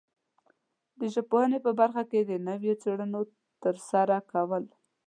د ژبپوهنې په برخه کې د نویو څېړنو ترسره کول